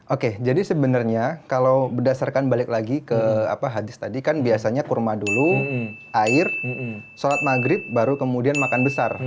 oke jadi sebenarnya kalau berdasarkan balik lagi ke hadis tadi kan biasanya kurma dulu air sholat maghrib baru kemudian makan besar